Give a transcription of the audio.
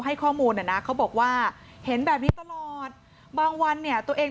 ให้ข้อมูลน่ะนะเขาบอกว่าเห็นแบบนี้ตลอดบางวันเนี่ยตัวเอง